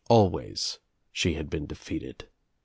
Always she had been defeated.